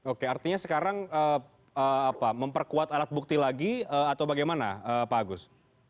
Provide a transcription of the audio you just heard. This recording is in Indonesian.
oke artinya sekarang memperkuat alat bukti lagi atau bagaimana pak agus